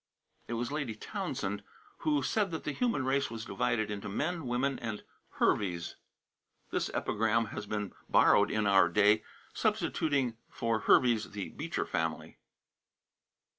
It was Lady Townsend who said that the human race was divided into men, women, and Herveys. This epigram has been borrowed in our day, substituting for Herveys the Beecher family.